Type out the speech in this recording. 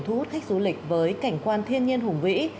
thu hút khách du lịch với cảnh quan thiên nhiên hùng vĩ